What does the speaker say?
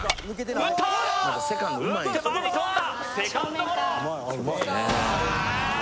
打って前にとんだセカンドゴロあー